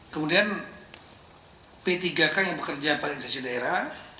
kemudian p tiga k yang bekerja pada sisi daerah